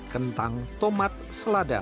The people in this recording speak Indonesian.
kentang tomat selada